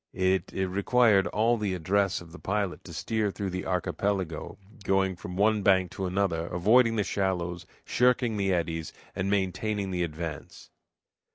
It required all the address of the pilot to steer through the archipelago, going from one bank to another, avoiding the shallows, shirking the eddies, and maintaining the advance.